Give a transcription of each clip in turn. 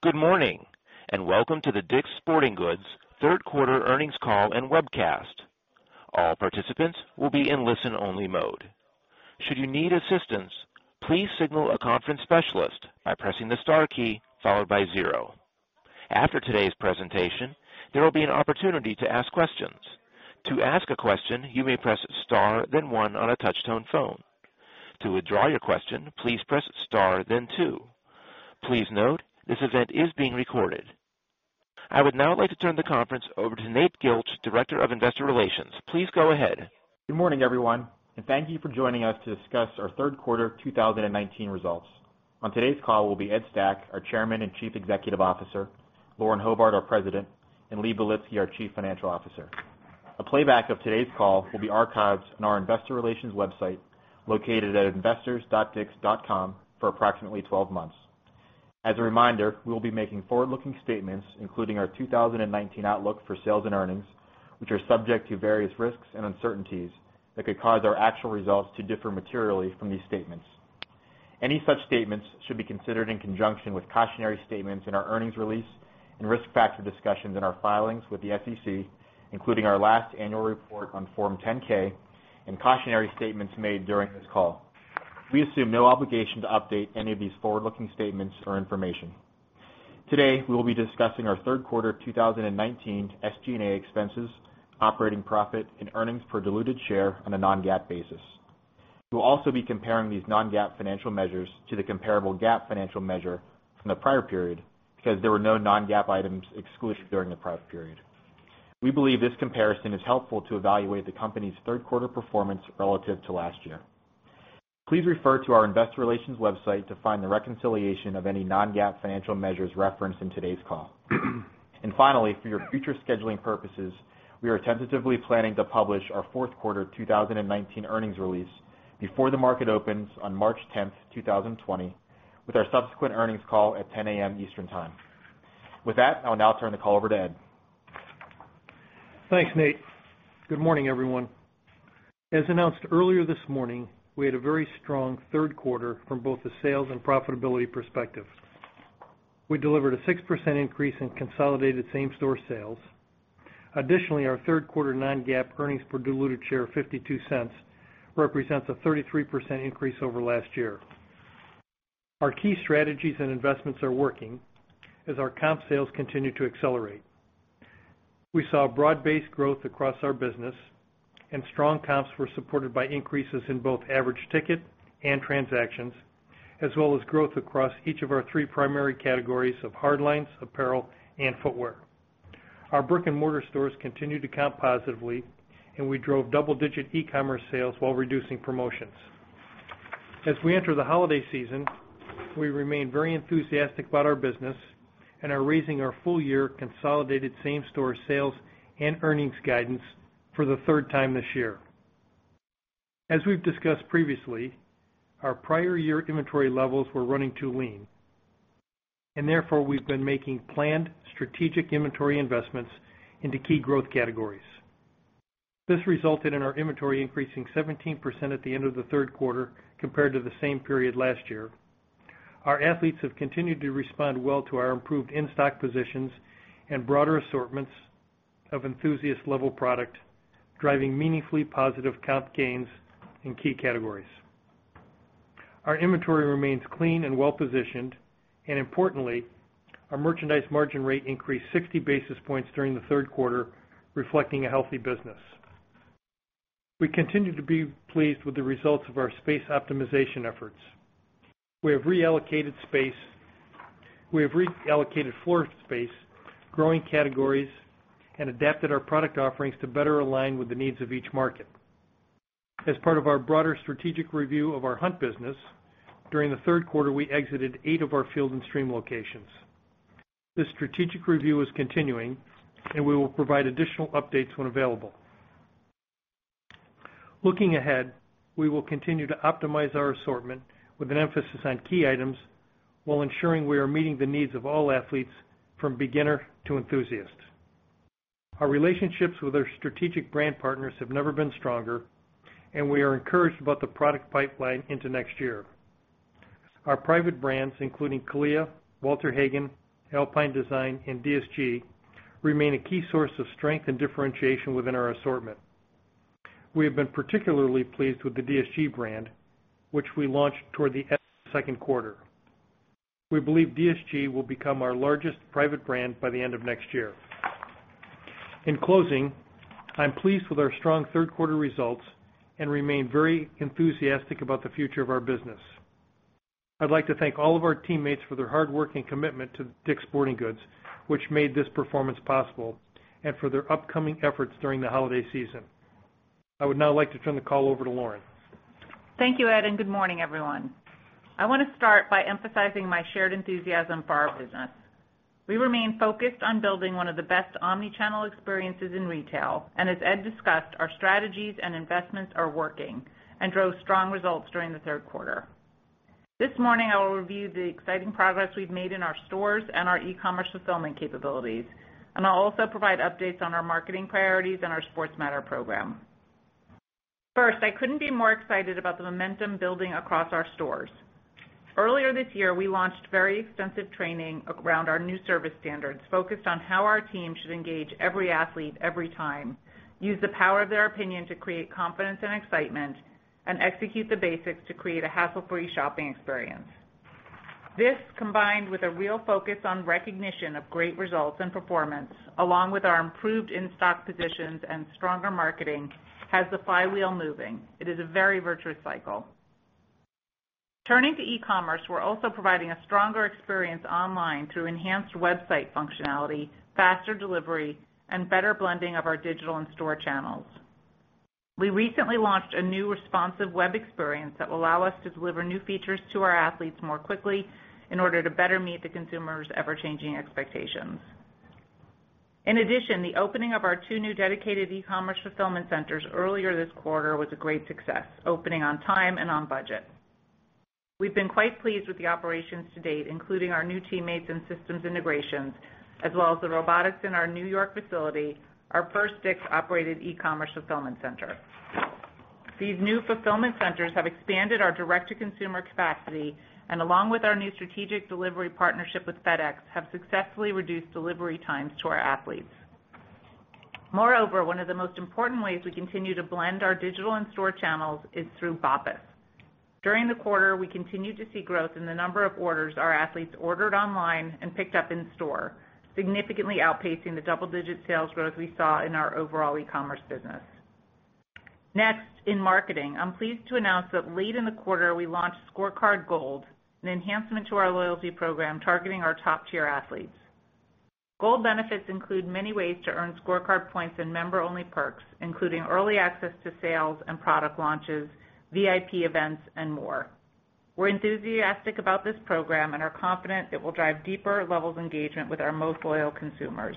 Good morning, welcome to the DICK'S Sporting Goods third quarter earnings call and webcast. All participants will be in listen-only mode. Should you need assistance, please signal a conference specialist by pressing the star key followed by zero. After today's presentation, there will be an opportunity to ask questions. To ask a question, you may press star then one on a touch-tone phone. To withdraw your question, please press star then two. Please note, this event is being recorded. I would now like to turn the conference over to Nate Gilch, Director of Investor Relations. Please go ahead. Good morning, everyone, and thank you for joining us to discuss our third quarter 2019 results. On today's call will be Ed Stack, our Chairman and Chief Executive Officer, Lauren Hobart, our President, and Lee Belitsky, our Chief Financial Officer. A playback of today's call will be archived on our investor relations website located at investors.dicks.com for approximately 12 months. As a reminder, we will be making forward-looking statements, including our 2019 outlook for sales and earnings, which are subject to various risks and uncertainties that could cause our actual results to differ materially from these statements. Any such statements should be considered in conjunction with cautionary statements in our earnings release and risk factor discussions in our filings with the SEC, including our last annual report on Form 10-K and cautionary statements made during this call. We assume no obligation to update any of these forward-looking statements or information. Today, we will be discussing our third quarter 2019 SG&A expenses, operating profit, and earnings per diluted share on a non-GAAP basis. We'll also be comparing these non-GAAP financial measures to the comparable GAAP financial measure from the prior period because there were no non-GAAP items exclusive during the prior period. We believe this comparison is helpful to evaluate the company's third quarter performance relative to last year. Please refer to our investor relations website to find the reconciliation of any non-GAAP financial measures referenced in today's call. Finally, for your future scheduling purposes, we are tentatively planning to publish our fourth quarter 2019 earnings release before the market opens on March 10th, 2020, with our subsequent earnings call at 10:00 A.M. Eastern Time. With that, I'll now turn the call over to Ed. Thanks, Nate. Good morning, everyone. As announced earlier this morning, we had a very strong third quarter from both the sales and profitability perspective. We delivered a 6% increase in consolidated same-store sales. Additionally, our third quarter non-GAAP earnings per diluted share of $0.52 represents a 33% increase over last year. Our key strategies and investments are working as our comp sales continue to accelerate. We saw broad-based growth across our business, and strong comps were supported by increases in both average ticket and transactions, as well as growth across each of our three primary categories of hardlines, apparel, and footwear. Our brick-and-mortar stores continued to comp positively, and we drove double-digit e-commerce sales while reducing promotions. As we enter the holiday season, we remain very enthusiastic about our business and are raising our full year consolidated same-store sales and earnings guidance for the third time this year. As we've discussed previously, our prior year inventory levels were running too lean, and therefore, we've been making planned strategic inventory investments into key growth categories. This resulted in our inventory increasing 17% at the end of the third quarter compared to the same period last year. Our athletes have continued to respond well to our improved in-stock positions and broader assortments of enthusiast level product, driving meaningfully positive comp gains in key categories. Our inventory remains clean and well-positioned, and importantly, our merchandise margin rate increased 60 basis points during the third quarter, reflecting a healthy business. We continue to be pleased with the results of our space optimization efforts. We have reallocated floor space, growing categories, and adapted our product offerings to better align with the needs of each market. As part of our broader strategic review of our hunt business, during the third quarter, we exited eight of our Field & Stream locations. This strategic review is continuing, and we will provide additional updates when available. Looking ahead, we will continue to optimize our assortment with an emphasis on key items while ensuring we are meeting the needs of all athletes, from beginner to enthusiast. Our relationships with our strategic brand partners have never been stronger, and we are encouraged about the product pipeline into next year. Our private brands, including CALIA, Walter Hagen, Alpine Design, and DSG, remain a key source of strength and differentiation within our assortment. We have been particularly pleased with the DSG brand, which we launched toward the end of the second quarter. We believe DSG will become our largest private brand by the end of next year. In closing, I'm pleased with our strong third quarter results and remain very enthusiastic about the future of our business. I'd like to thank all of our teammates for their hard work and commitment to DICK'S Sporting Goods, which made this performance possible, and for their upcoming efforts during the holiday season. I would now like to turn the call over to Lauren. Thank you, Ed. Good morning, everyone. I want to start by emphasizing my shared enthusiasm for our business. We remain focused on building one of the best omni-channel experiences in retail, and as Ed discussed, our strategies and investments are working and drove strong results during the third quarter. This morning, I will review the exciting progress we've made in our stores and our e-commerce fulfillment capabilities, and I'll also provide updates on our marketing priorities and our Sports Matter program. First, I couldn't be more excited about the momentum building across our stores. Earlier this year, we launched very extensive training around our new service standards, focused on how our team should engage every athlete every time, use the power of their opinion to create confidence and excitement, and execute the basics to create a hassle-free shopping experience. This, combined with a real focus on recognition of great results and performance, along with our improved in-stock positions and stronger marketing, has the flywheel moving. It is a very virtuous cycle. Turning to e-commerce, we're also providing a stronger experience online through enhanced website functionality, faster delivery, and better blending of our digital and store channels. We recently launched a new responsive web experience that will allow us to deliver new features to our athletes more quickly in order to better meet the consumer's ever-changing expectations. In addition, the opening of our two new dedicated e-commerce fulfillment centers earlier this quarter was a great success, opening on time and on budget. We've been quite pleased with the operations to date, including our new teammates and systems integrations, as well as the robotics in our New York facility, our first DICK'S-operated e-commerce fulfillment center. These new fulfillment centers have expanded our direct-to-consumer capacity, and along with our new strategic delivery partnership with FedEx, have successfully reduced delivery times to our athletes. Moreover, one of the most important ways we continue to blend our digital and store channels is through BOPIS. During the quarter, we continued to see growth in the number of orders our athletes ordered online and picked up in store, significantly outpacing the double-digit sales growth we saw in our overall e-commerce business. In marketing, I'm pleased to announce that late in the quarter, we launched ScoreCard Gold, an enhancement to our loyalty program targeting our top-tier athletes. Gold benefits include many ways to earn ScoreCard points and member-only perks, including early access to sales and product launches, VIP events, and more. We're enthusiastic about this program and are confident it will drive deeper levels of engagement with our most loyal consumers.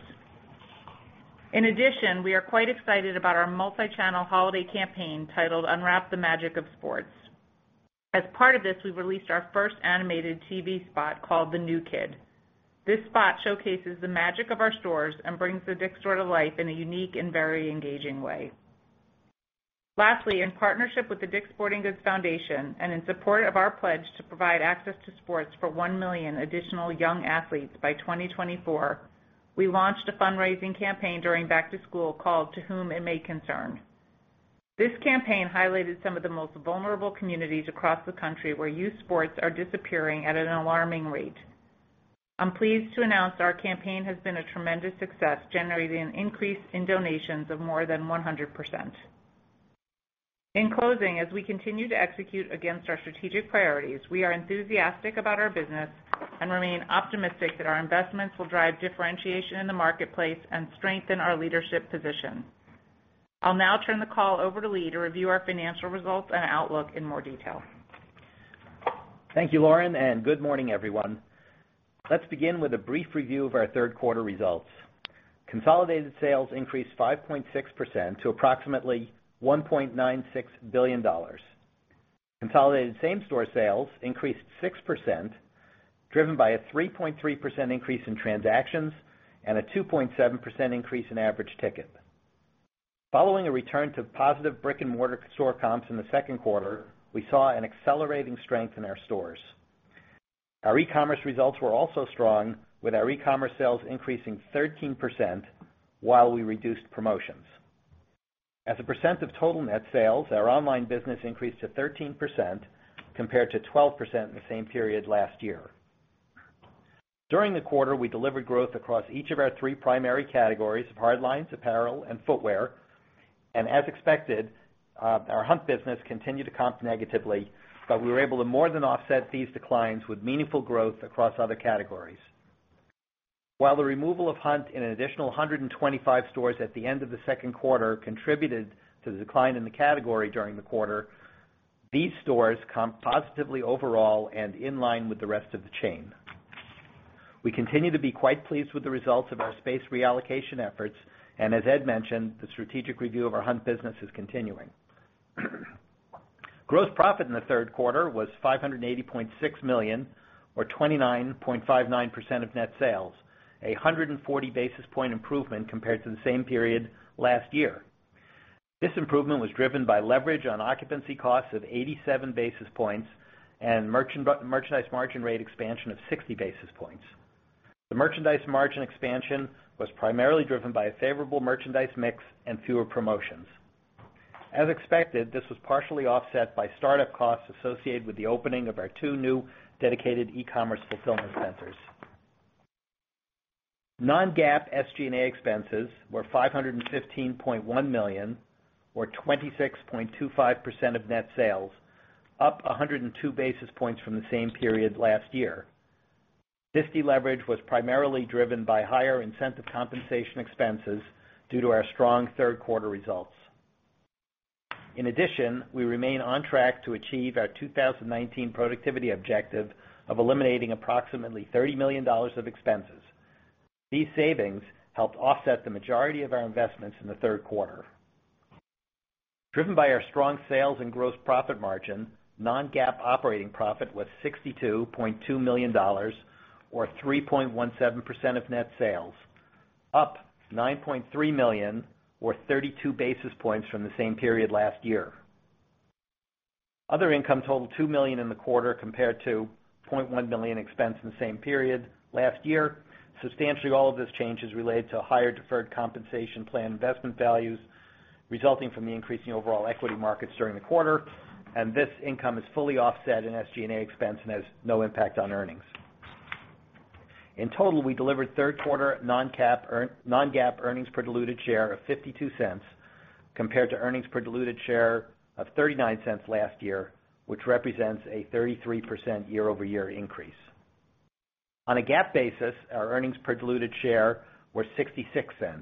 In addition, we are quite excited about our multi-channel holiday campaign titled, "Unwrap the Magic of Sports." As part of this, we released our first animated TV spot called "The New Kid." This spot showcases the magic of our stores and brings the DICK'S store to life in a unique and very engaging way. In partnership with the DICK'S Sporting Goods Foundation, and in support of our pledge to provide access to sports for 1 million additional young athletes by 2024, we launched a fundraising campaign during back to school called "To Whom It May Concern." This campaign highlighted some of the most vulnerable communities across the country where youth sports are disappearing at an alarming rate. I'm pleased to announce our campaign has been a tremendous success, generating an increase in donations of more than 100%. In closing, as we continue to execute against our strategic priorities, we are enthusiastic about our business and remain optimistic that our investments will drive differentiation in the marketplace and strengthen our leadership position. I'll now turn the call over to Lee to review our financial results and outlook in more detail. Thank you, Lauren. Good morning, everyone. Let's begin with a brief review of our third quarter results. Consolidated sales increased 5.6% to approximately $1.96 billion. Consolidated same-store sales increased 6%, driven by a 3.3% increase in transactions and a 2.7% increase in average ticket. Following a return to positive brick-and-mortar store comps in the second quarter, we saw an accelerating strength in our stores. Our e-commerce results were also strong, with our e-commerce sales increasing 13% while we reduced promotions. As a percent of total net sales, our online business increased to 13%, compared to 12% in the same period last year. During the quarter, we delivered growth across each of our three primary categories of hardlines, apparel, and footwear. As expected, our hunt business continued to comp negatively, but we were able to more than offset these declines with meaningful growth across other categories. While the removal of hunt in an additional 125 stores at the end of the second quarter contributed to the decline in the category during the quarter, these stores comp positively overall and in line with the rest of the chain. We continue to be quite pleased with the results of our space reallocation efforts, and as Ed mentioned, the strategic review of our hunt business is continuing. Gross profit in the third quarter was $580.6 million, or 29.59% of net sales, a 140 basis point improvement compared to the same period last year. This improvement was driven by leverage on occupancy costs of 87 basis points and merchandise margin rate expansion of 60 basis points. The merchandise margin expansion was primarily driven by a favorable merchandise mix and fewer promotions. As expected, this was partially offset by startup costs associated with the opening of our two new dedicated e-commerce fulfillment centers. Non-GAAP SG&A expenses were $515.1 million, or 26.25% of net sales, up 102 basis points from the same period last year. This deleverage was primarily driven by higher incentive compensation expenses due to our strong third quarter results. In addition, we remain on track to achieve our 2019 productivity objective of eliminating approximately $30 million of expenses. These savings helped offset the majority of our investments in the third quarter. Driven by our strong sales and gross profit margin, non-GAAP operating profit was $62.2 million, or 3.17% of net sales, up $9.3 million or 32 basis points from the same period last year. Other income totaled $2 million in the quarter compared to $0.1 million expense in the same period last year. Substantially, all of this change is related to higher deferred compensation plan investment values resulting from the increase in overall equity markets during the quarter. This income is fully offset in SG&A expense and has no impact on earnings. In total, we delivered third quarter non-GAAP earnings per diluted share of $0.52 compared to earnings per diluted share of $0.39 last year, which represents a 33% year-over-year increase. On a GAAP basis, our earnings per diluted share were $0.66.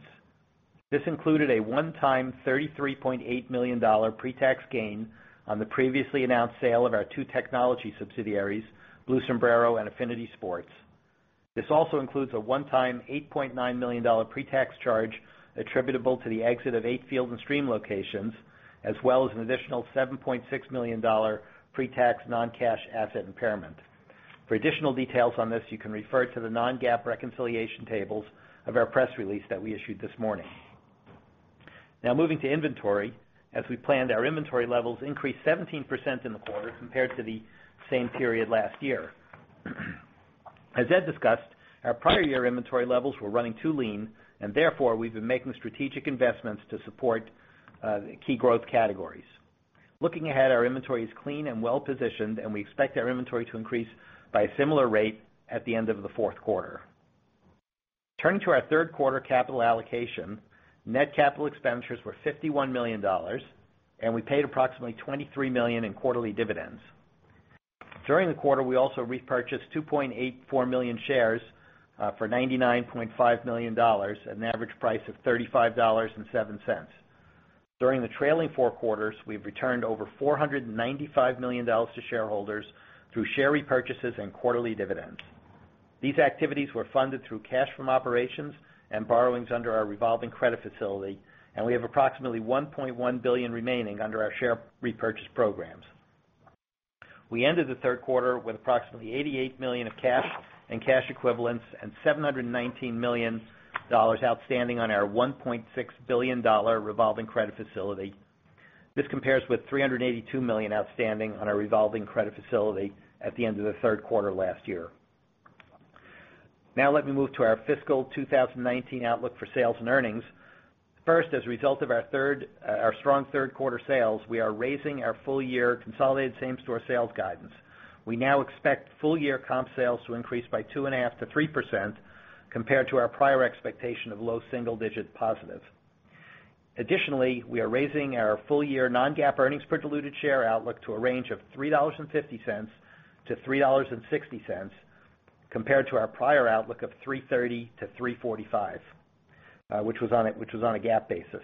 This included a one-time $33.8 million pre-tax gain on the previously announced sale of our two technology subsidiaries, Blue Sombrero and Affinity Sports. This also includes a one-time $8.9 million pre-tax charge attributable to the exit of eight Field & Stream locations, as well as an additional $7.6 million pre-tax non-cash asset impairment. For additional details on this, you can refer to the non-GAAP reconciliation tables of our press release that we issued this morning. Moving to inventory. As we planned, our inventory levels increased 17% in the quarter compared to the same period last year. As Ed discussed, our prior year inventory levels were running too lean and therefore we've been making strategic investments to support key growth categories. Looking ahead, our inventory is clean and well-positioned, and we expect our inventory to increase by a similar rate at the end of the fourth quarter. Turning to our third quarter capital allocation, net capital expenditures were $51 million, and we paid approximately $23 million in quarterly dividends. During the quarter, we also repurchased 2.84 million shares for $99.5 million at an average price of $35.07. During the trailing four quarters, we've returned over $495 million to shareholders through share repurchases and quarterly dividends. These activities were funded through cash from operations and borrowings under our revolving credit facility and we have approximately $1.1 billion remaining under our share repurchase programs. We ended the third quarter with approximately $88 million of cash and cash equivalents and $719 million outstanding on our $1.6 billion revolving credit facility. This compares with $382 million outstanding on our revolving credit facility at the end of the third quarter last year. Let me move to our fiscal 2019 outlook for sales and earnings. First, as a result of our strong third quarter sales, we are raising our full-year consolidated same-store sales guidance. We now expect full-year comp sales to increase by 2.5%-3%, compared to our prior expectation of low single-digit positive. Additionally, we are raising our full-year non-GAAP earnings per diluted share outlook to a range of $3.50-$3.60, compared to our prior outlook of $3.30-$3.45, which was on a GAAP basis.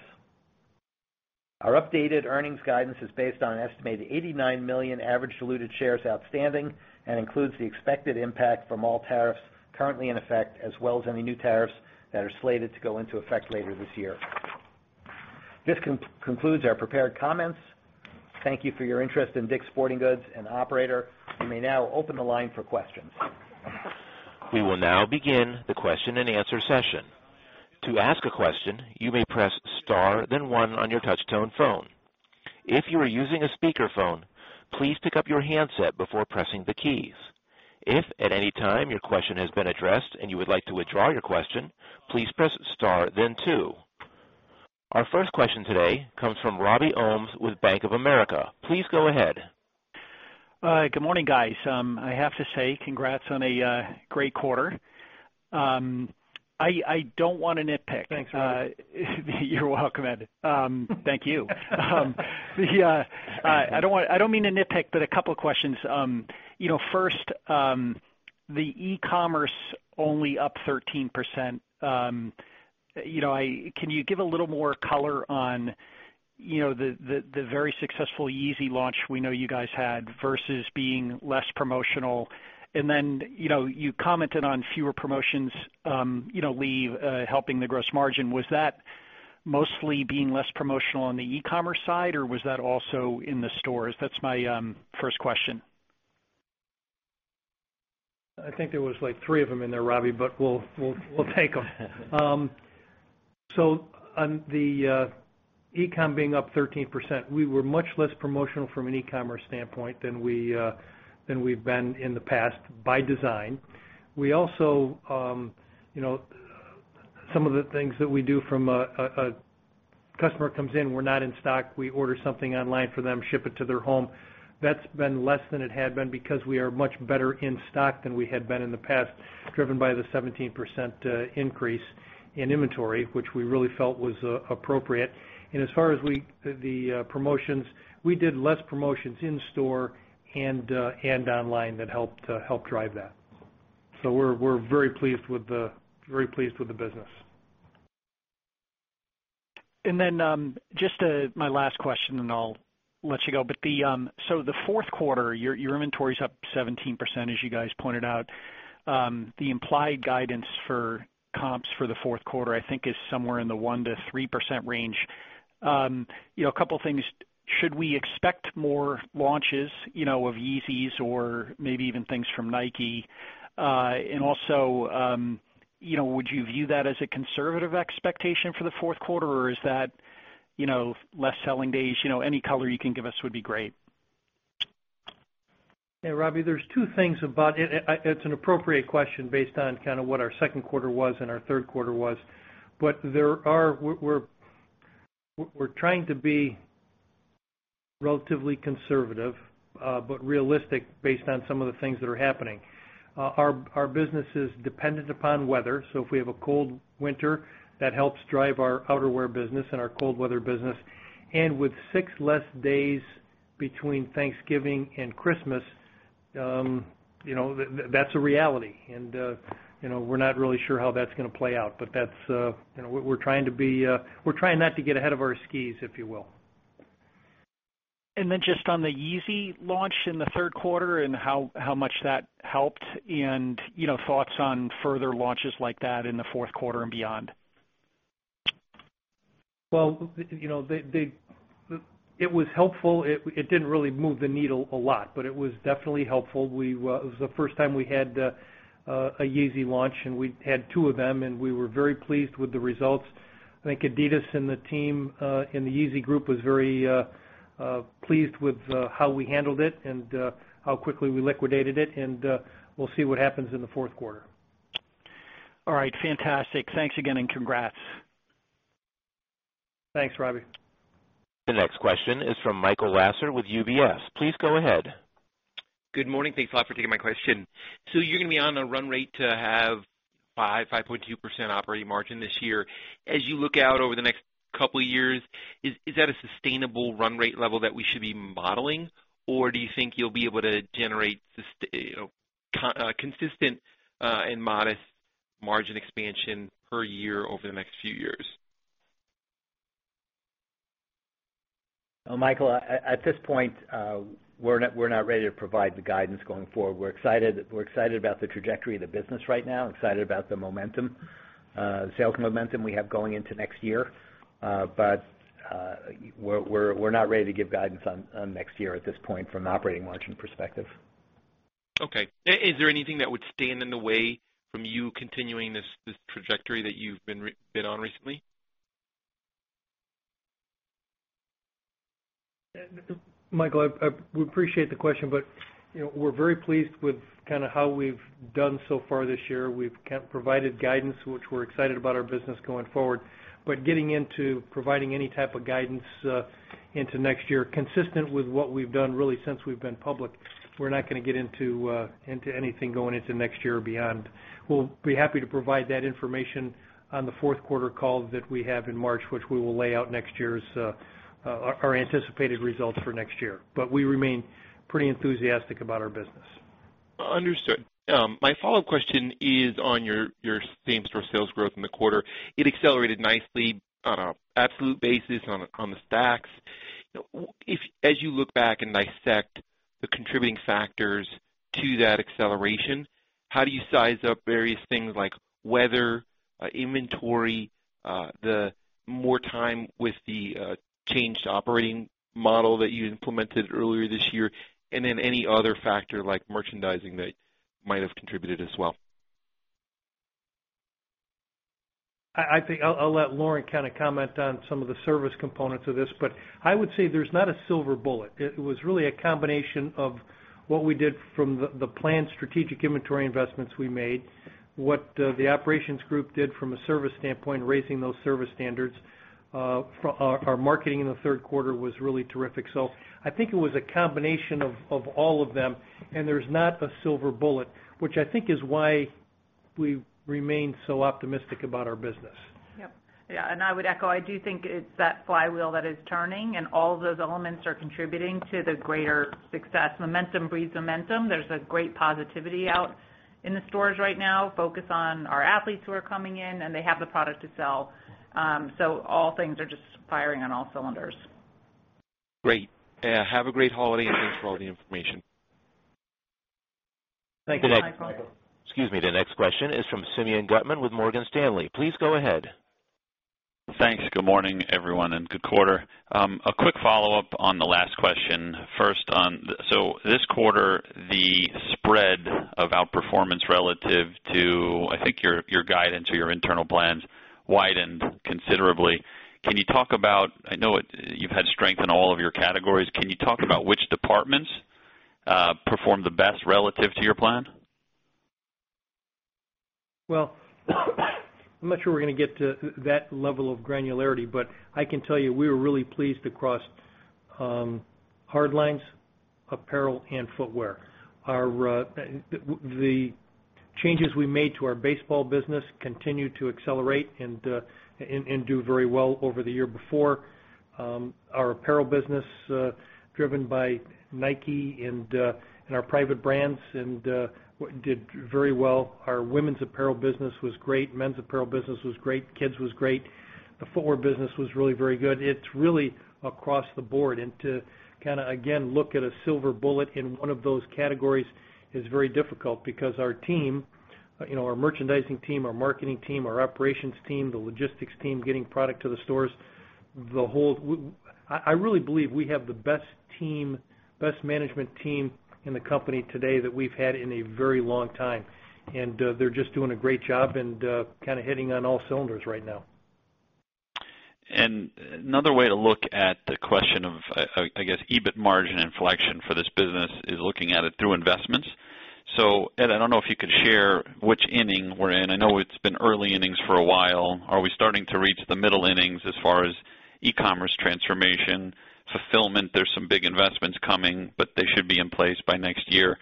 Our updated earnings guidance is based on an estimated 89 million average diluted shares outstanding and includes the expected impact from all tariffs currently in effect, as well as any new tariffs that are slated to go into effect later this year. This concludes our prepared comments. Thank you for your interest in DICK'S Sporting Goods and operator, you may now open the line for questions. We will now begin the question and answer session. To ask a question, you may press star then one on your touch tone phone. If you are using a speakerphone, please pick up your handset before pressing the keys. If at any time your question has been addressed and you would like to withdraw your question, please press star then two. Our first question today comes from Robbie Ohmes with Bank of America. Please go ahead. Good morning, guys. I have to say congrats on a great quarter. I don't want to nitpick. Thanks, Robbie. You're welcome, Ed. Thank you. I don't mean to nitpick, but a couple of questions. First, the e-commerce only up 13%. Can you give a little more color on the very successful Yeezy launch we know you guys had versus being less promotional. You commented on fewer promotions, Lee, helping the gross margin. Was that mostly being less promotional on the e-commerce side or was that also in the stores? That's my first question. I think there was three of them in there, Robbie, but we'll take them. On the ecomm being up 13%, we were much less promotional from an e-commerce standpoint than we've been in the past, by design. Some of the things that we do from a customer comes in, we're not in stock, we order something online for them, ship it to their home. That's been less than it had been because we are much better in stock than we had been in the past, driven by the 17% increase in inventory, which we really felt was appropriate. As far as the promotions, we did less promotions in store and online that helped drive that. We're very pleased with the business. Just my last question and I'll let you go. The fourth quarter, your inventory's up 17%, as you guys pointed out. The implied guidance for comps for the fourth quarter, I think is somewhere in the 1%-3% range. A couple things. Should we expect more launches of Yeezys or maybe even things from Nike? Would you view that as a conservative expectation for the fourth quarter or is that less selling days? Any color you can give us would be great. Yeah, Robbie, there's two things about it. It's an appropriate question based on what our second quarter was and our third quarter was. We're trying to be relatively conservative, but realistic based on some of the things that are happening. Our business is dependent upon weather. If we have a cold winter, that helps drive our outerwear business and our cold weather business. With six less days between Thanksgiving and Christmas, that's a reality. We're not really sure how that's going to play out, but we're trying not to get ahead of our skis, if you will. Just on the Yeezy launch in the third quarter and how much that helped and thoughts on further launches like that in the fourth quarter and beyond. Well, it was helpful. It didn't really move the needle a lot, but it was definitely helpful. It was the first time we had a Yeezy launch, and we had two of them, and we were very pleased with the results. I think adidas and the team in the Yeezy group was very pleased with how we handled it and how quickly we liquidated it. We'll see what happens in the fourth quarter. All right. Fantastic. Thanks again, and congrats. Thanks, Robbie. The next question is from Michael Lasser with UBS. Please go ahead. Good morning. Thanks a lot for taking my question. You're going to be on a run rate to have 5%, 5.2% operating margin this year. As you look out over the next couple of years, is that a sustainable run rate level that we should be modeling, or do you think you'll be able to generate consistent and modest margin expansion per year over the next few years? Michael, at this point, we're not ready to provide the guidance going forward. We're excited about the trajectory of the business right now, excited about the momentum, sales momentum we have going into next year. We're not ready to give guidance on next year at this point from an operating margin perspective. Okay. Is there anything that would stand in the way from you continuing this trajectory that you've been on recently? Michael, we appreciate the question. We're very pleased with how we've done so far this year. We've provided guidance which we're excited about our business going forward. Getting into providing any type of guidance into next year, consistent with what we've done really since we've been public, we're not going to get into anything going into next year or beyond. We'll be happy to provide that information on the fourth quarter call that we have in March, which we will lay out our anticipated results for next year. We remain pretty enthusiastic about our business. Understood. My follow-up question is on your same-store sales growth in the quarter. It accelerated nicely on an absolute basis on the stacks. As you look back and dissect the contributing factors to that acceleration, how do you size up various things like weather, inventory, the more time with the changed operating model that you implemented earlier this year, and then any other factor like merchandising that might have contributed as well? I think I'll let Lauren comment on some of the service components of this, but I would say there's not a silver bullet. It was really a combination of what we did from the planned strategic inventory investments we made, what the operations group did from a service standpoint, raising those service standards. Our marketing in the third quarter was really terrific. I think it was a combination of all of them, and there's not a silver bullet, which I think is why we remain so optimistic about our business. Yep. I would echo, I do think it's that flywheel that is turning and all of those elements are contributing to the greater success. Momentum breeds momentum. There's a great positivity out in the stores right now, focus on our athletes who are coming in, and they have the product to sell. All things are just firing on all cylinders. Great. Have a great holiday. Thanks for all the information. Thank you. Thank you Michael. Excuse me. The next question is from Simeon Gutman with Morgan Stanley. Please go ahead. Thanks. Good morning, everyone, and good quarter. A quick follow-up on the last question. First on, this quarter, the spread of outperformance relative to, I think, your guidance or your internal plans widened considerably. I know you've had strength in all of your categories. Can you talk about which departments performed the best relative to your plan? Well, I'm not sure we're going to get to that level of granularity, but I can tell you we were really pleased across hardlines, apparel, and footwear. The changes we made to our baseball business continue to accelerate and do very well over the year before. Our apparel business driven by Nike and our private brands did very well. Our women's apparel business was great. Men's apparel business was great. Kids was great. The footwear business was really very good. It's really across the board. To, again, look at a silver bullet in one of those categories is very difficult because our merchandising team, our marketing team, our operations team, the logistics team, getting product to the stores. I really believe we have the best management team in the company today that we've had in a very long time, and they're just doing a great job and hitting on all cylinders right now. Another way to look at the question of, I guess, EBIT margin inflection for this business is looking at it through investments. Ed, I don't know if you could share which inning we're in. I know it's been early innings for a while. Are we starting to reach the middle innings as far as e-commerce transformation, fulfillment? There's some big investments coming, but they should be in place by next year.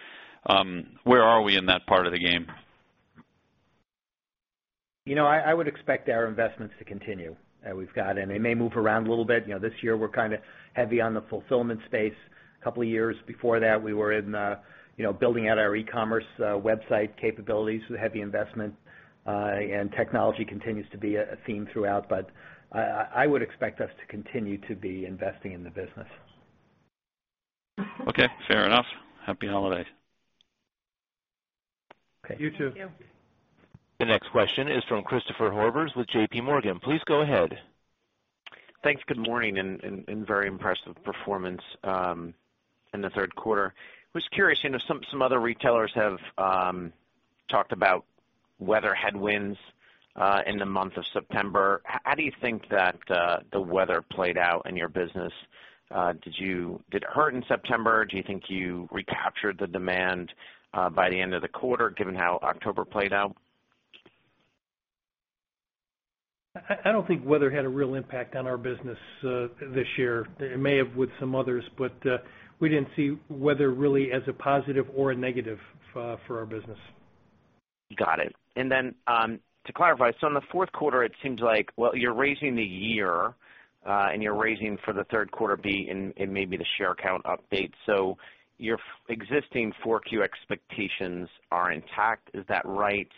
Where are we in that part of the game? I would expect our investments to continue. We've got, and they may move around a little bit. This year we're heavy on the fulfillment space. A couple of years before that, we were building out our e-commerce website capabilities with heavy investment. Technology continues to be a theme throughout, but I would expect us to continue to be investing in the business. Okay, fair enough. Happy holidays. You too. You too. The next question is from Christopher Horvers with JPMorgan. Please go ahead. Thanks. Good morning. Very impressive performance in the third quarter. I was curious, some other retailers have talked about weather headwinds in the month of September. How do you think that the weather played out in your business? Did it hurt in September? Do you think you recaptured the demand by the end of the quarter, given how October played out? I don't think weather had a real impact on our business this year. It may have with some others. We didn't see weather really as a positive or a negative for our business. Got it. To clarify, in the fourth quarter, it seems like, well, you're raising the year, and you're raising for the third quarter be in maybe the share count update. Your existing 4Q expectations are intact. Is that right?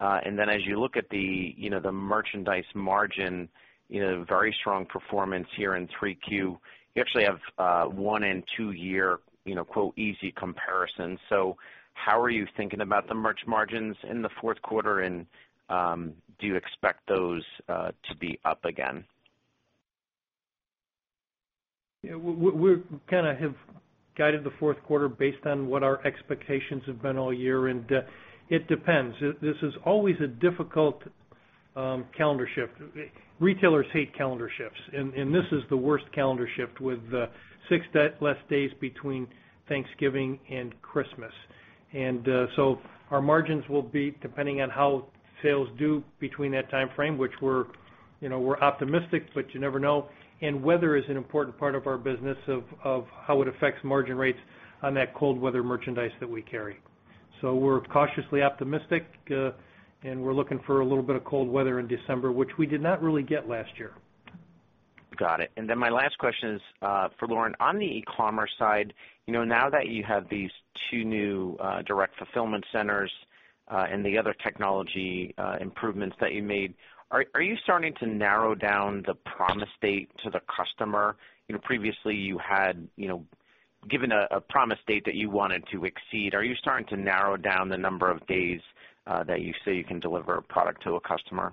As you look at the merchandise margin, very strong performance here in 3Q, you actually have one and two-year "easy comparison." How are you thinking about the merch margins in the fourth quarter, and do you expect those to be up again? We kind of have guided the fourth quarter based on what our expectations have been all year. It depends. This is always a difficult calendar shift. Retailers hate calendar shifts, and this is the worst calendar shift with six less days between Thanksgiving and Christmas. Our margins will be depending on how sales do between that timeframe, which we're optimistic, but you never know. Weather is an important part of our business of how it affects margin rates on that cold weather merchandise that we carry. We're cautiously optimistic, and we're looking for a little bit of cold weather in December, which we did not really get last year. Got it. My last question is for Lauren. On the e-commerce side, now that you have these two new direct fulfillment centers and the other technology improvements that you made, are you starting to narrow down the promise date to the customer? Previously you had given a promise date that you wanted to exceed. Are you starting to narrow down the number of days that you say you can deliver a product to a customer?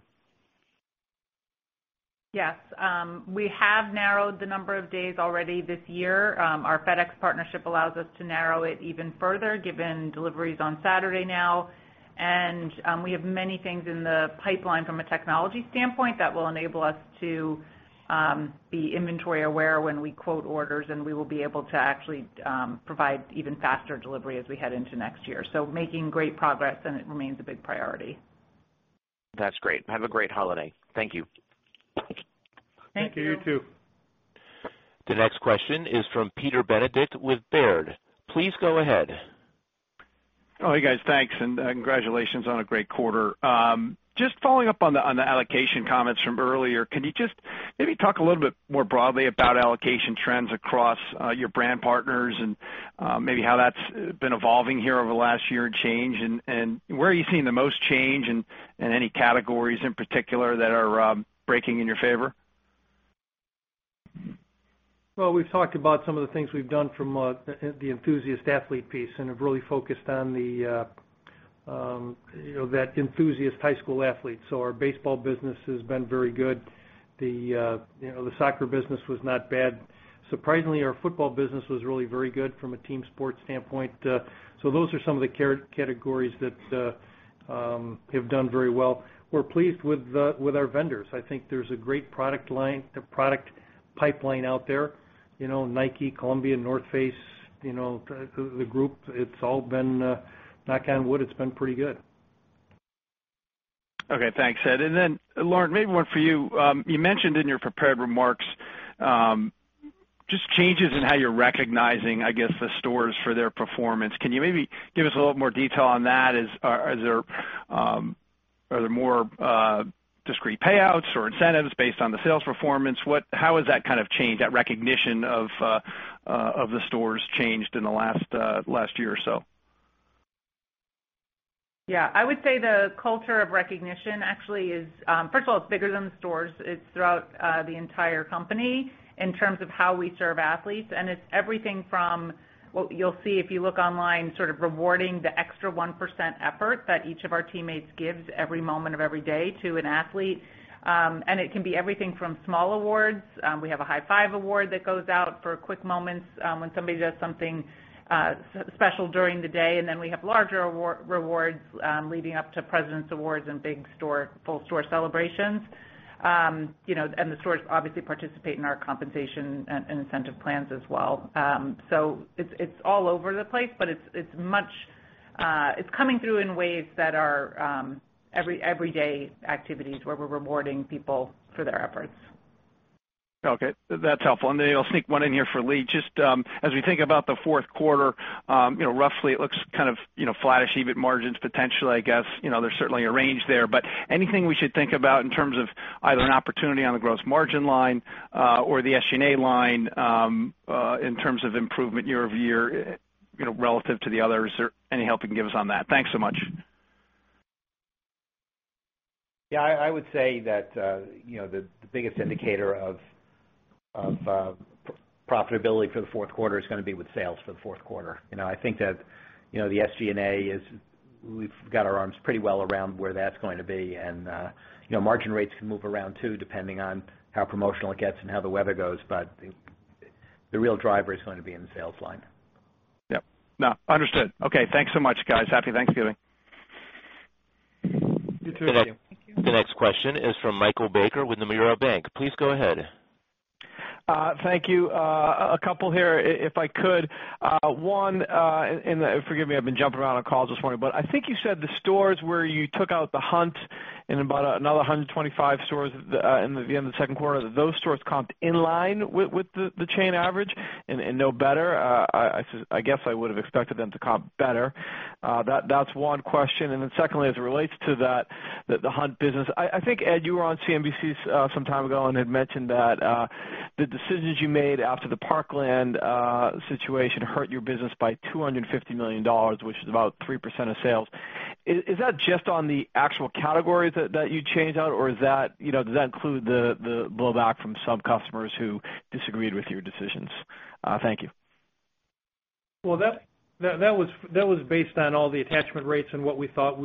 Yes. We have narrowed the number of days already this year. Our FedEx partnership allows us to narrow it even further, given deliveries on Saturday now. We have many things in the pipeline from a technology standpoint that will enable us to be inventory aware when we quote orders, and we will be able to actually provide even faster delivery as we head into next year. Making great progress, and it remains a big priority. That's great. Have a great holiday. Thank you. Thank you. You too. The next question is from Peter Benedict with Baird. Please go ahead. Oh, hey, guys. Thanks. Congratulations on a great quarter. Just following up on the allocation comments from earlier, can you just maybe talk a little bit more broadly about allocation trends across your brand partners and maybe how that's been evolving here over the last year and change, and where are you seeing the most change and any categories in particular that are breaking in your favor? We've talked about some of the things we've done from the enthusiast athlete piece and have really focused on that enthusiast high school athlete. Our baseball business has been very good. The soccer business was not bad. Surprisingly, our football business was really very good from a team sport standpoint. Those are some of the categories that have done very well. We're pleased with our vendors. I think there's a great product pipeline out there. Nike, Columbia, North Face, the group, knock on wood, it's been pretty good. Okay, thanks, Ed. Lauren, maybe one for you. You mentioned in your prepared remarks just changes in how you're recognizing, I guess, the stores for their performance. Can you maybe give us a little more detail on that? Are there more discrete payouts or incentives based on the sales performance? How has that changed, that recognition of the stores changed in the last year or so? Yeah. I would say the culture of recognition actually is, first of all, it's bigger than the stores. It's throughout the entire company in terms of how we serve athletes, and it's everything from what you'll see if you look online, sort of rewarding the extra 1% effort that each of our teammates gives every moment of every day to an athlete. It can be everything from small awards. We have a high-five award that goes out for quick moments when somebody does something special during the day. Then we have larger rewards leading up to president's awards and big store, full store celebrations. The stores obviously participate in our compensation and incentive plans as well. It's all over the place, but it's coming through in ways that are everyday activities where we're rewarding people for their efforts. Okay. That's helpful. I'll sneak one in here for Lee. Just as we think about the fourth quarter, roughly it looks kind of flatish EBIT margins potentially, I guess. There's certainly a range there. Anything we should think about in terms of either an opportunity on the gross margin line or the SG&A line in terms of improvement year-over-year relative to the others? Is there any help you can give us on that? Thanks so much. Yeah. I would say that the biggest indicator of profitability for the fourth quarter is going to be with sales for the fourth quarter. I think that the SG&A, we've got our arms pretty well around where that's going to be. Margin rates can move around too, depending on how promotional it gets and how the weather goes. The real driver is going to be in the sales line. Yep. No. Understood. Okay. Thanks so much, guys. Happy Thanksgiving. You too. Thank you. Thank you. The next question is from Michael Baker with Nomura Bank. Please go ahead. Thank you. A couple here, if I could. One, forgive me, I've been jumping around on calls this morning, but I think you said the stores where you took out the hunt and about another 125 stores at the end of the second quarter, that those stores comped in line with the chain average and no better. I guess I would've expected them to comp better. That's one question. Secondly, as it relates to the hunt business, I think, Ed, you were on CNBC some time ago and had mentioned that the decisions you made after the Parkland situation hurt your business by $250 million, which is about 3% of sales. Is that just on the actual categories that you changed out, or does that include the blowback from some customers who disagreed with your decisions? Thank you. Well, that was based on all the attachment rates and what we thought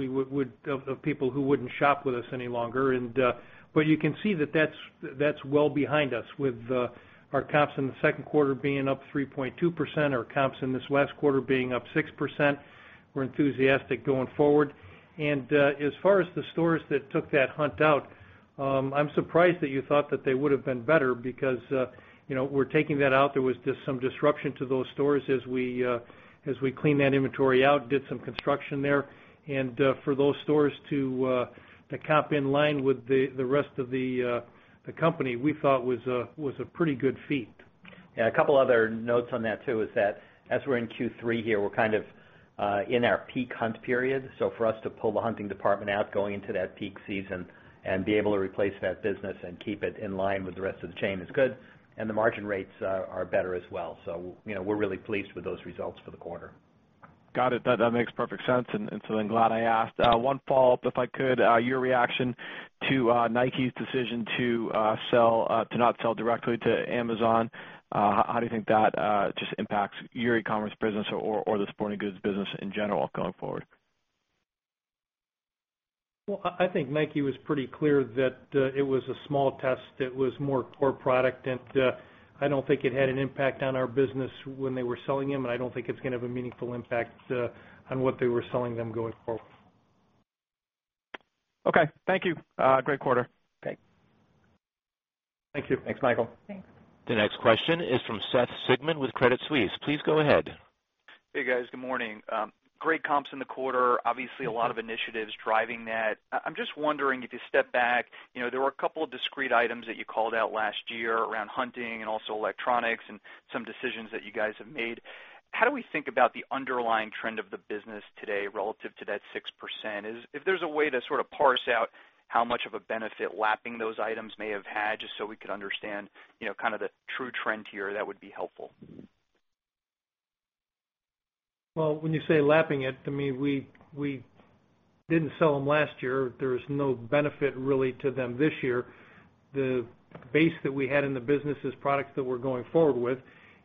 of people who wouldn't shop with us any longer. You can see that that's well behind us with our comps in the second quarter being up 3.2%, our comps in this last quarter being up 6%. We're enthusiastic going forward. As far as the stores that took that hunt out, I'm surprised that you thought that they would've been better because we're taking that out. There was just some disruption to those stores as we cleaned that inventory out and did some construction there. For those stores to comp in line with the rest of the company, we thought was a pretty good feat. Yeah. A couple other notes on that too, is that as we're in Q3 here, we're kind of in our peak hunt period. For us to pull the hunting department out going into that peak season and be able to replace that business and keep it in line with the rest of the chain is good, and the margin rates are better as well. We're really pleased with those results for the quarter. Got it. That makes perfect sense, and so I'm glad I asked. One follow-up, if I could. Your reaction to Nike's decision to not sell directly to Amazon, how do you think that just impacts your e-commerce business or the sporting goods business in general going forward? I think Nike was pretty clear that it was a small test. It was more core product. I don't think it had an impact on our business when they were selling them. I don't think it's going to have a meaningful impact on what they were selling them going forward. Okay. Thank you. Great quarter. Thank you. Thanks, Michael. Thanks. The next question is from Seth Sigman with Credit Suisse. Please go ahead. Hey, guys. Good morning. Great comps in the quarter. Obviously, a lot of initiatives driving that. I'm just wondering if you step back, there were a couple of discrete items that you called out last year around hunting and also electronics and some decisions that you guys have made. How do we think about the underlying trend of the business today relative to that 6%? If there's a way to sort of parse out how much of a benefit lapping those items may have had, just so we could understand kind of the true trend here, that would be helpful. Well, when you say lapping it, to me, we didn't sell them last year. There's no benefit really to them this year. The base that we had in the business is products that we're going forward with.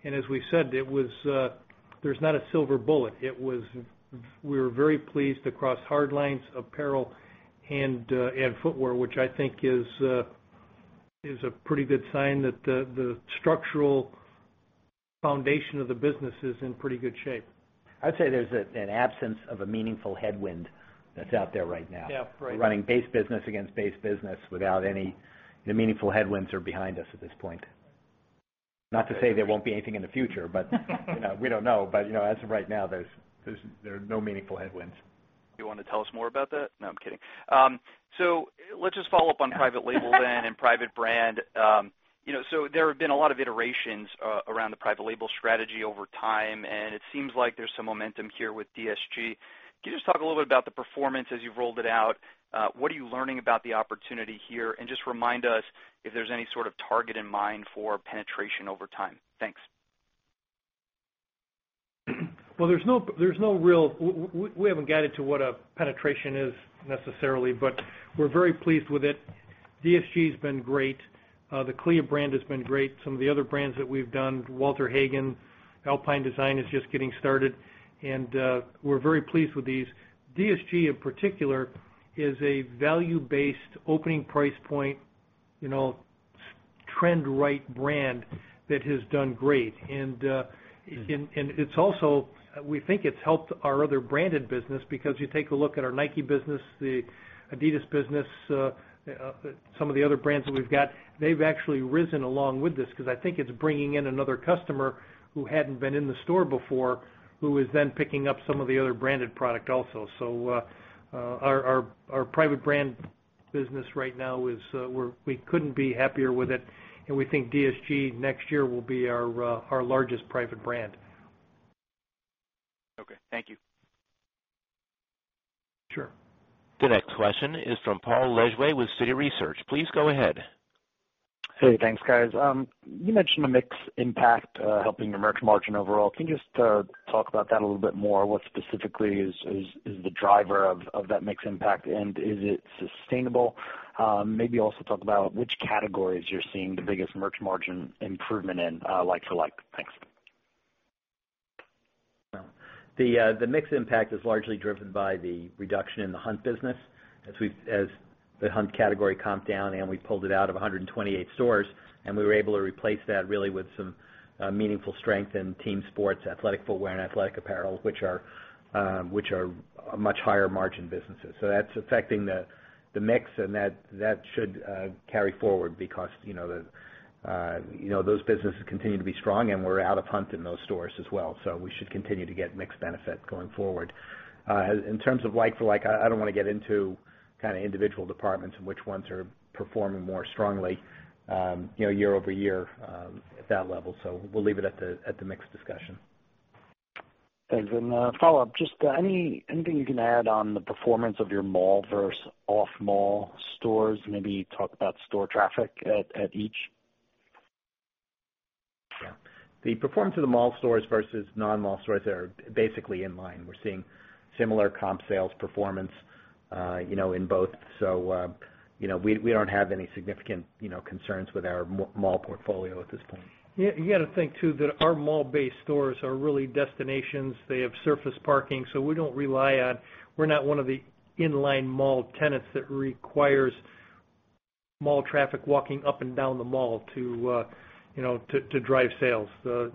As we said, there's not a silver bullet. We were very pleased across hardlines, apparel, and footwear, which I think is a pretty good sign that the structural foundation of the business is in pretty good shape. I'd say there's an absence of a meaningful headwind that's out there right now. Yeah. Right. We're running base business against base business. The meaningful headwinds are behind us at this point. Not to say there won't be anything in the future, but we don't know. As of right now, there are no meaningful headwinds. Do you want to tell us more about that? No, I'm kidding. Let's just follow up on private label then and private brand. There have been a lot of iterations around the private label strategy over time, and it seems like there's some momentum here with DSG. Can you just talk a little bit about the performance as you've rolled it out? What are you learning about the opportunity here? Just remind us if there's any sort of target in mind for penetration over time. Thanks. We haven't guided to what a penetration is necessarily, but we're very pleased with it. DSG has been great. The CALIA brand has been great. Some of the other brands that we've done, Walter Hagen, Alpine Design, is just getting started, and we're very pleased with these. DSG in particular is a value-based opening price point, trend-right brand that has done great. We think it's helped our other branded business because you take a look at our Nike business, the adidas business, some of the other brands that we've got, they've actually risen along with this because I think it's bringing in another customer who hadn't been in the store before, who is then picking up some of the other branded product also. Our private brand business right now, we couldn't be happier with it, and we think DSG next year will be our largest private brand. Okay. Thank you. Sure. The next question is from Paul Lejuez with Citi Research. Please go ahead. Hey, thanks, guys. You mentioned a mix impact, helping your merch margin overall. Can you just talk about that a little bit more? What specifically is the driver of that mix impact, and is it sustainable? Maybe also talk about which categories you're seeing the biggest merch margin improvement in, like for like. Thanks. The mix impact is largely driven by the reduction in the hunt business. As the hunt category comped down and we pulled it out of 128 stores, and we were able to replace that really with some meaningful strength in team sports, athletic footwear, and athletic apparel, which are much higher margin businesses. That's affecting the mix and that should carry forward because those businesses continue to be strong and we're out of hunt in those stores as well. We should continue to get mix benefit going forward. In terms of like for like, I don't want to get into individual departments and which ones are performing more strongly year-over-year at that level. We'll leave it at the mix discussion. A follow-up, just anything you can add on the performance of your mall versus off-mall stores? Maybe talk about store traffic at each. Yeah. The performance of the mall stores versus non-mall stores are basically in line. We're seeing similar comp sales performance in both. We don't have any significant concerns with our mall portfolio at this point. You got to think too that our mall-based stores are really destinations. They have surface parking, so we're not one of the in-line mall tenants that requires mall traffic walking up and down the mall to drive sales. I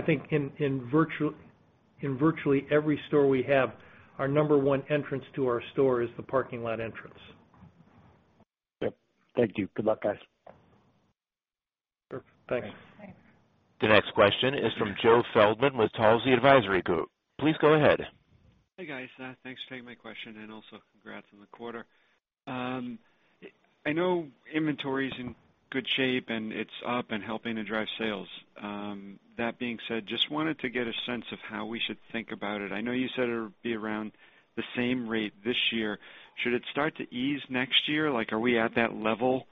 think in virtually every store we have, our number one entrance to our store is the parking lot entrance. Yep. Thank you. Good luck, guys. Perfect. Thanks. Thanks. The next question is from Joe Feldman with Telsey Advisory Group. Please go ahead. Hey, guys. Thanks for taking my question and also congrats on the quarter. I know inventory is in good shape and it's up and helping to drive sales. That being said, just wanted to get a sense of how we should think about it. I know you said it would be around the same rate this year. Should it start to ease next year? Are we at that level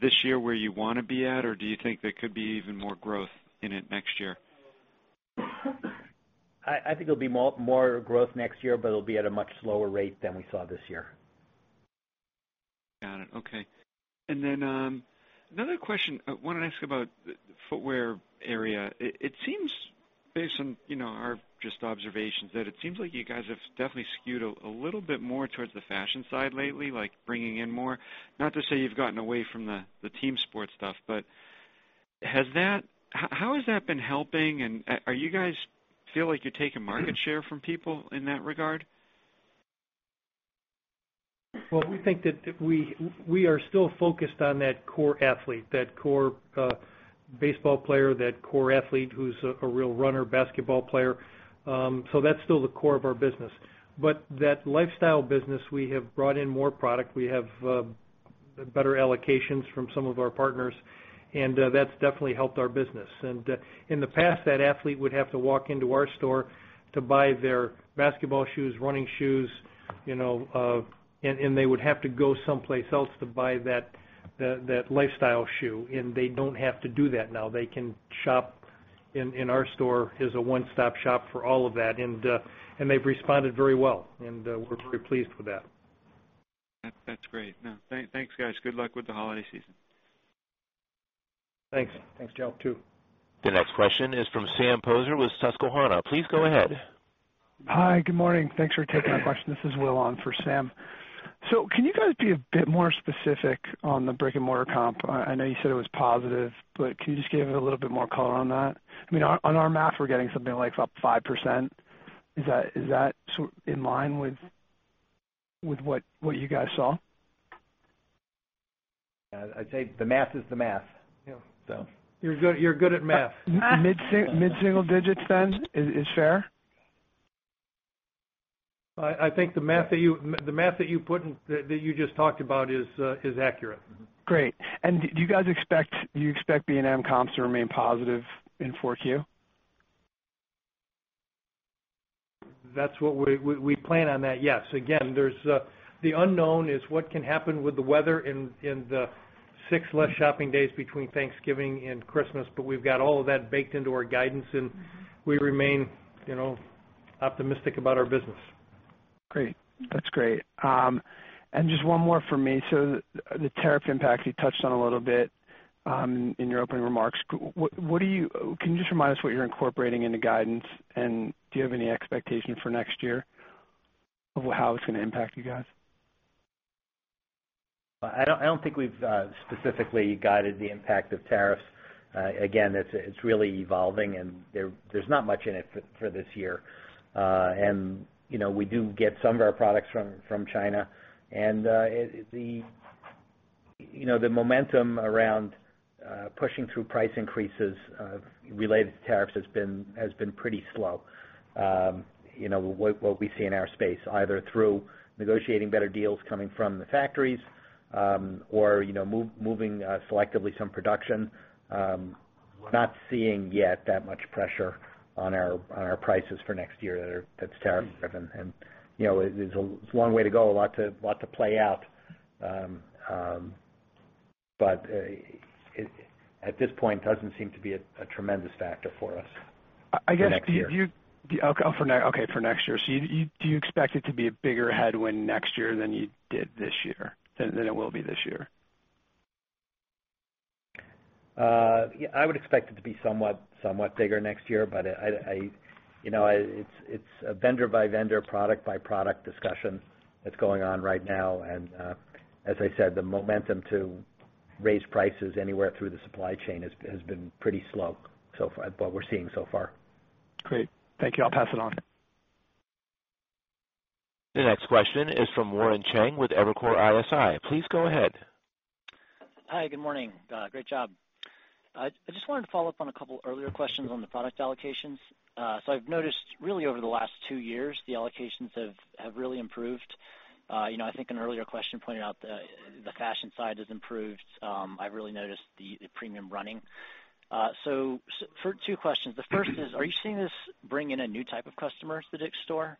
this year where you want to be at or do you think there could be even more growth in it next year? I think it'll be more growth next year, but it'll be at a much slower rate than we saw this year. Got it. Okay. Another question. I wanted to ask you about the footwear area. Based on our just observations, that it seems like you guys have definitely skewed a little bit more towards the fashion side lately, like bringing in more. Not to say you've gotten away from the team sports stuff, but how has that been helping and are you guys feel like you're taking market share from people in that regard? We think that we are still focused on that core athlete, that core baseball player, that core athlete who's a real runner, basketball player. That's still the core of our business. That lifestyle business, we have brought in more product. We have better allocations from some of our partners, and that's definitely helped our business. In the past, that athlete would have to walk into our store to buy their basketball shoes, running shoes, and they would have to go someplace else to buy that lifestyle shoe, and they don't have to do that now. They can shop in our store as a one-stop shop for all of that. They've responded very well, and we're pretty pleased with that. That's great. Thanks, guys. Good luck with the holiday season. Thanks. Thanks, Joe. You too. The next question is from Sam Poser with Susquehanna. Please go ahead. Hi. Good morning. Thanks for taking my question. This is Will on for Sam. Can you guys be a bit more specific on the brick-and-mortar comp? I know you said it was positive, can you just give it a little bit more color on that? On our math, we're getting something like up 5%. Is that in line with what you guys saw? I'd say the math is the math. You're good at math. Mid-single digits, then, is fair? I think the math that you just talked about is accurate. Great. Do you guys expect B&M comps to remain positive in 4Q? That's what we plan on that. Yes. Again, the unknown is what can happen with the weather in the six less shopping days between Thanksgiving and Christmas. We've got all of that baked into our guidance, and we remain optimistic about our business. Great. That's great. Just one more from me. The tariff impact, you touched on a little bit in your opening remarks. Can you just remind us what you're incorporating in the guidance? Do you have any expectation for next year of how it's going to impact you guys? I don't think we've specifically guided the impact of tariffs. It's really evolving, and there's not much in it for this year. We do get some of our products from China. The momentum around pushing through price increases related to tariffs has been pretty slow. What we see in our space, either through negotiating better deals coming from the factories, or moving selectively some production, not seeing yet that much pressure on our prices for next year that's tariff-driven. There's a long way to go, a lot to play out. At this point, it doesn't seem to be a tremendous factor for us for next year. Okay, for next year. Do you expect it to be a bigger headwind next year than it will be this year? I would expect it to be somewhat bigger next year, but it's a vendor-by-vendor, product-by-product discussion that's going on right now. As I said, the momentum to raise prices anywhere through the supply chain has been pretty slow from what we're seeing so far. Great. Thank you. I'll pass it on. The next question is from Warren Cheng with Evercore ISI. Please go ahead. Hi. Good morning. Great job. I just wanted to follow up on a couple earlier questions on the product allocations. I've noticed really over the last two years, the allocations have really improved. I think an earlier question pointed out the fashion side has improved. I've really noticed the premium running. Two questions. The first is, are you seeing this bring in a new type of customer to DICK'S store?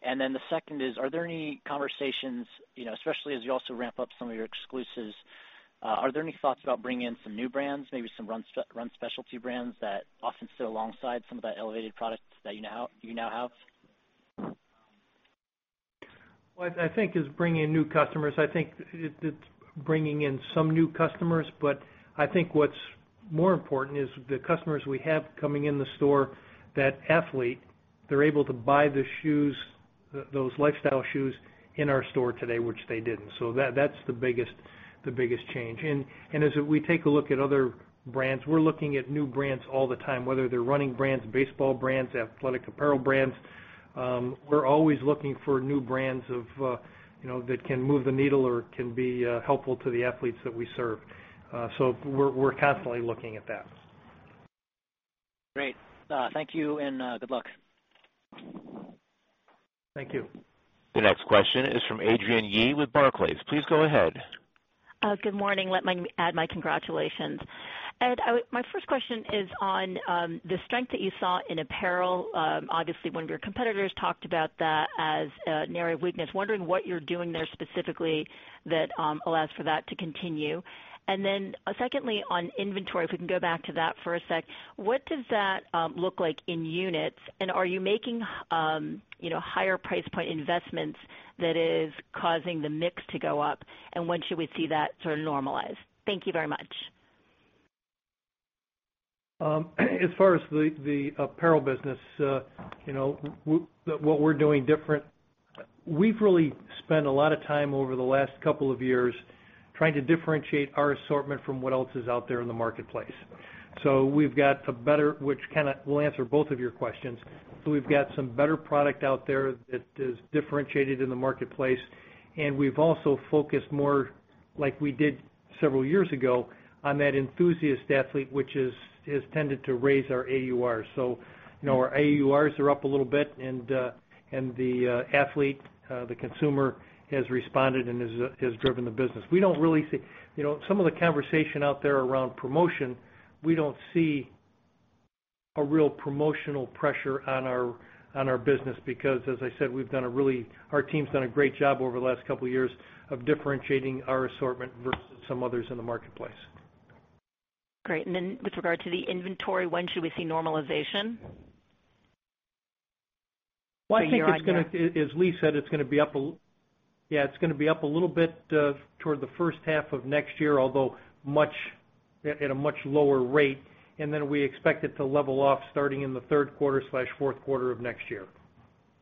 The second is, are there any conversations, especially as you also ramp up some of your exclusives, are there any thoughts about bringing in some new brands, maybe some run specialty brands that often sit alongside some of that elevated product that you now have? What I think is bringing in new customers, I think it's bringing in some new customers, I think what's more important is the customers we have coming in the store, that athlete, they're able to buy those lifestyle shoes in our store today, which they didn't. That's the biggest change. As we take a look at other brands, we're looking at new brands all the time, whether they're running brands, baseball brands, athletic apparel brands. We're always looking for new brands that can move the needle or can be helpful to the athletes that we serve. We're constantly looking at that. Great. Thank you. Good luck. Thank you. The next question is from Adrienne Yih with Barclays. Please go ahead. Good morning. Let me add my congratulations. Ed, my first question is on the strength that you saw in apparel. Obviously, one of your competitors talked about that as an area of weakness. Wondering what you're doing there specifically that allows for that to continue. Secondly, on inventory, if we can go back to that for a sec, what does that look like in units, and are you making higher price point investments that is causing the mix to go up, and when should we see that sort of normalize? Thank you very much. As far as the apparel business, what we're doing different, we've really spent a lot of time over the last couple of years trying to differentiate our assortment from what else is out there in the marketplace, which kind of will answer both of your questions. We've got some better product out there that is differentiated in the marketplace, and we've also focused more, like we did several years ago, on that enthusiast athlete, which has tended to raise our AUR. Our AURs are up a little bit, and the athlete, the consumer, has responded and has driven the business. Some of the conversation out there around promotion, we don't see a real promotional pressure on our business because, as I said, our team's done a great job over the last couple of years of differentiating our assortment versus some others in the marketplace. Great. With regard to the inventory, when should we see normalization? Well, I think, as Lee said, it's going to be up a little bit toward the first half of next year, although at a much lower rate. We expect it to level off starting in the third quarter/fourth quarter of next year.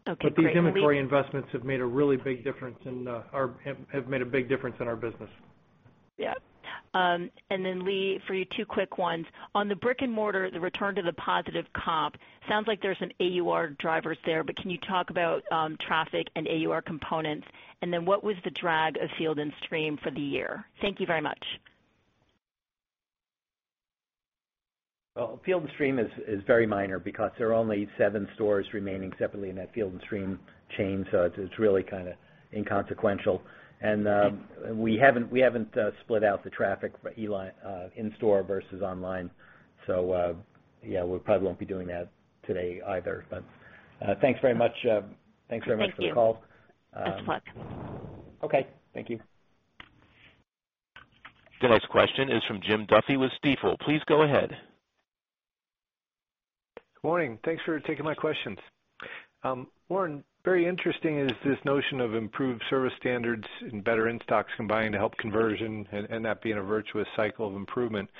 Okay, great. These inventory investments have made a big difference in our business. Yeah. Lee, for you, two quick ones. On the brick-and-mortar, the return to the positive comp, sounds like there's some AUR drivers there, but can you talk about traffic and AUR components? What was the drag of Field & Stream for the year? Thank you very much. Field & Stream is very minor because there are only seven stores remaining separately in that Field & Stream chain, so it's really kind of inconsequential. We haven't split out the traffic in store versus online. Yeah, we probably won't be doing that today either. Thanks very much for the call. Thank you. Good luck. Okay. Thank you. The next question is from Jim Duffy with Stifel. Please go ahead. Good morning. Thanks for taking my questions. Lauren, very interesting is this notion of improved service standards and better in-stocks combined to help conversion and that being a virtuous cycle of improvement.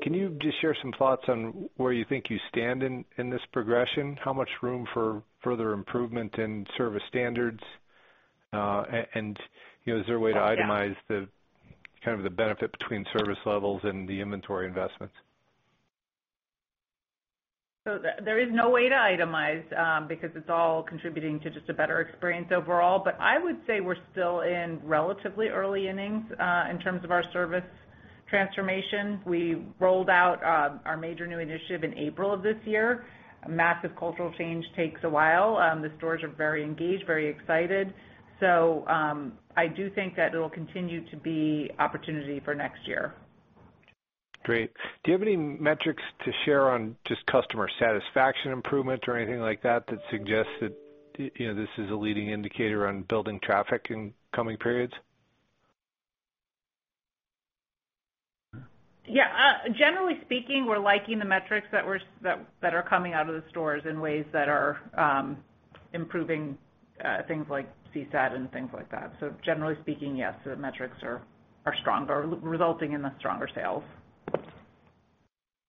Can you just share some thoughts on where you think you stand in this progression? How much room for further improvement in service standards? Is there a way to itemize the benefit between service levels and the inventory investments? There is no way to itemize, because it's all contributing to just a better experience overall. I would say we're still in relatively early innings, in terms of our service transformation. We rolled out our major new initiative in April of this year. A massive cultural change takes a while. The stores are very engaged, very excited. I do think that it'll continue to be opportunity for next year. Great. Do you have any metrics to share on just customer satisfaction improvement or anything like that suggests that this is a leading indicator on building traffic in coming periods? Yeah. Generally speaking, we're liking the metrics that are coming out of the stores in ways that are improving things like CSAT and things like that. Generally speaking, yes, the metrics are stronger, resulting in the stronger sales.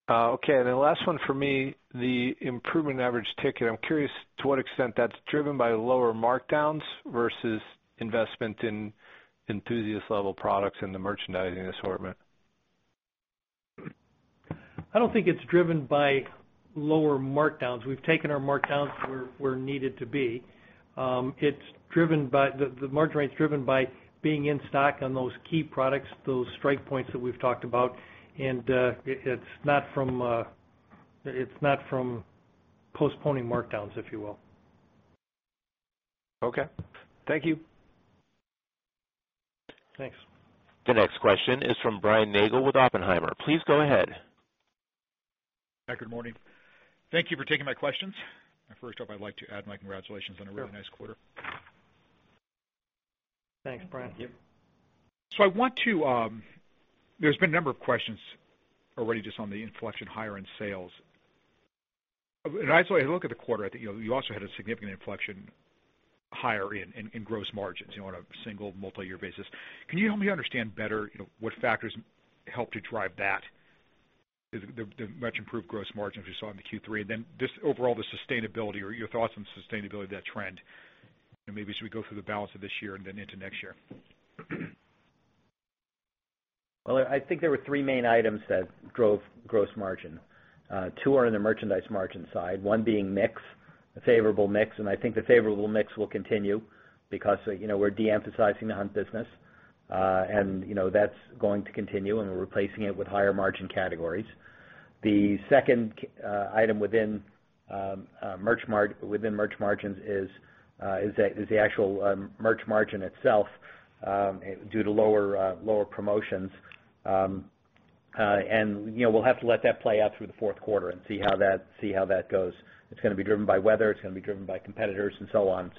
Okay, last one from me, the improvement in average ticket. I'm curious to what extent that's driven by lower markdowns versus investment in enthusiast level products in the merchandising assortment? I don't think it's driven by lower markdowns. We've taken our markdowns where needed to be. The margin rate's driven by being in stock on those key products, those strike points that we've talked about. It's not from postponing markdowns, if you will. Okay. Thank you. Thanks. The next question is from Brian Nagel with Oppenheimer. Please go ahead. Hi, good morning. Thank you for taking my questions. First off, I'd like to add my congratulations on a really nice quarter. Thanks, Brian. Thank you. There's been a number of questions already just on the inflection higher and sales. As I look at the quarter, I think you also had a significant inflection higher in gross margins, on a single multi-year basis. Can you help me understand better what factors helped you drive that, the much improved gross margin we saw in the Q3, and then just overall the sustainability or your thoughts on sustainability of that trend, and maybe as we go through the balance of this year and then into next year? Well, I think there were three main items that drove gross margin. Two are in the merchandise margin side, one being mix, a favorable mix. I think the favorable mix will continue because we're de-emphasizing the hunt business. That's going to continue, and we're replacing it with higher margin categories. The second item within merch margins is the actual merch margin itself, due to lower promotions. We'll have to let that play out through the fourth quarter and see how that goes. It's going to be driven by weather, it's going to be driven by competitors and so on.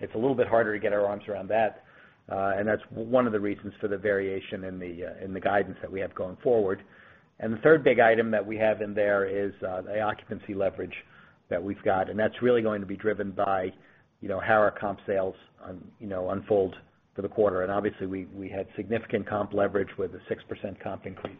It's a little bit harder to get our arms around that. That's one of the reasons for the variation in the guidance that we have going forward. The third big item that we have in there is the occupancy leverage that we've got, and that's really going to be driven by how our comp sales unfold for the quarter. Obviously, we had significant comp leverage with a 6% comp increase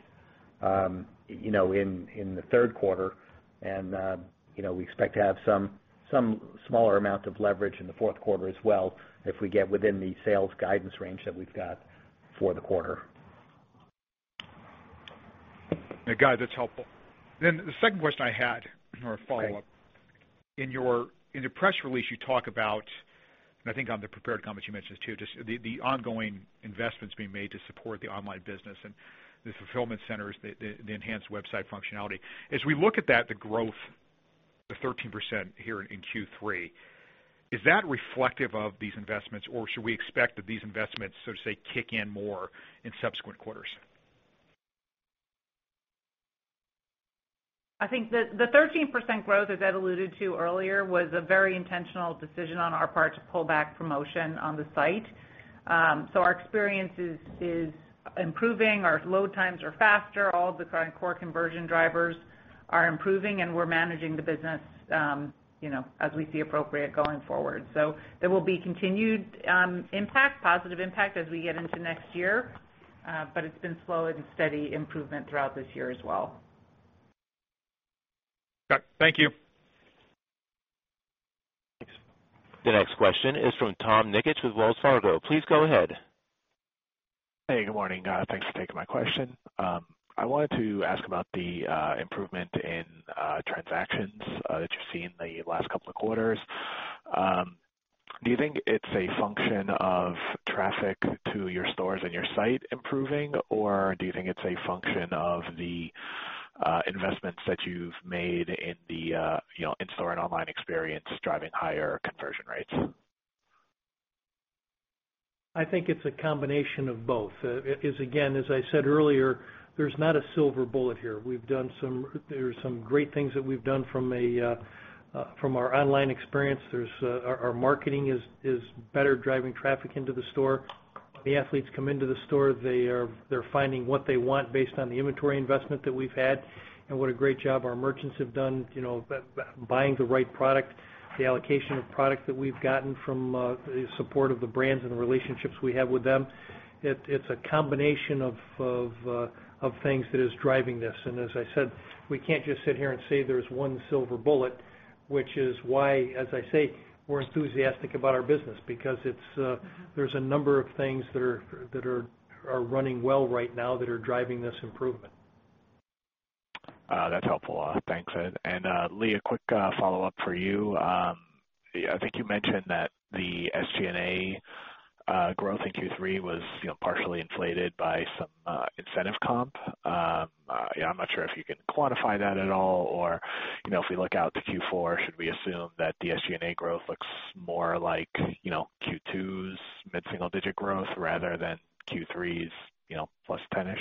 in the third quarter. We expect to have some smaller amount of leverage in the fourth quarter as well if we get within the sales guidance range that we've got for the quarter. Yeah, guys, that's helpful. The second question I had or a follow-up. Great. In your press release, you talk about, I think on the prepared comments you mentioned too, just the ongoing investments being made to support the online business and the fulfillment centers, the enhanced website functionality. As we look at that, the growth, the 13% here in Q3, is that reflective of these investments, or should we expect that these investments, so to say, kick in more in subsequent quarters? I think the 13% growth, as Ed alluded to earlier, was a very intentional decision on our part to pull back promotion on the site. Our experience is improving. Our load times are faster. All of the core conversion drivers are improving, and we're managing the business as we see appropriate going forward. There will be continued impact, positive impact as we get into next year. It's been slow and steady improvement throughout this year as well. Got it. Thank you. Thanks. The next question is from Tom Nikic with Wells Fargo. Please go ahead. Hey, good morning. Thanks for taking my question. I wanted to ask about the improvement in transactions that you've seen in the last couple of quarters. Do you think it's a function of traffic to your stores and your site improving, or do you think it's a function of the investments that you've made in the in-store and online experience driving higher conversion rates? I think it's a combination of both. It is, again, as I said earlier, there's not a silver bullet here. There's some great things that we've done from our online experience. Our marketing is better driving traffic into the store. The athletes come into the store, they're finding what they want based on the inventory investment that we've had and what a great job our merchants have done buying the right product, the allocation of product that we've gotten from the support of the brands and the relationships we have with them. It's a combination of things that is driving this. As I said, we can't just sit here and say there's one silver bullet, which is why, as I say, we're enthusiastic about our business because there's a number of things that are running well right now that are driving this improvement. That's helpful. Thanks, Ed. Lee, a quick follow-up for you. I think you mentioned that the SG&A growth in Q3 was partially inflated by some incentive comp. I'm not sure if you can quantify that at all, or if we look out to Q4, should we assume that the SG&A growth looks more like Q2's mid-single digit growth rather than Q3's +10%-ish?